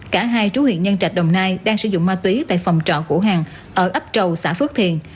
cả hai trú huyện nhân trạch đồng nai đang sử dụng ma túy tại phòng trọ của hàng ở ấp trầu xã phước thiền